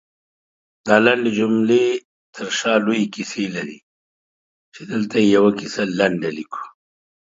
دالنډې جملې ترشا لويې کيسې لري، چې دلته يې يوه کيسه لنډه ليکو